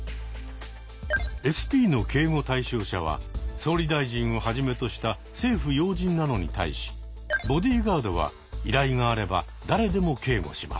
ＳＰの警護対象者は総理大臣をはじめとした政府要人なのに対しボディーガードは依頼があれば誰でも警護します。